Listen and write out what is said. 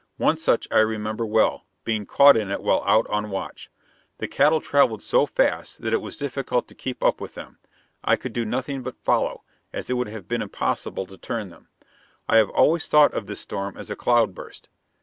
One such I remember well, being caught in it while out on watch. The cattle traveled so fast that it was difficult to keep up with them. I could do nothing but follow, as it would have been impossible to turn them. I have always thought of this storm as a cloudburst.